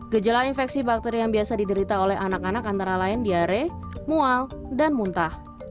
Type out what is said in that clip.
gejala infeksi bakteri yang biasa diderita oleh anak anak antara lain diare mual dan muntah